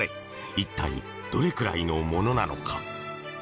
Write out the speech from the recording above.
一体、どれくらいのものなのか？